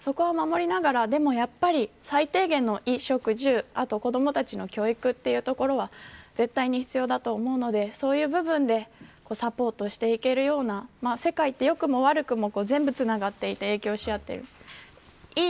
そこは守りながら、でもやっぱり最低限の衣食住子どもたちの教育は絶対に必要だと思うのでそういう部分でサポートしていけるような世界って、よくも悪くも全部つながっていて影響し合っている。